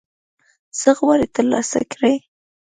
څه غواړي ترلاسه یې کړه